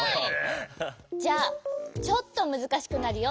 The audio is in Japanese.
じゃあちょっとむずかしくなるよ。